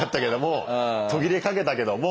途切れかけたけども。